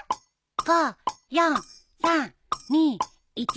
５４３２１。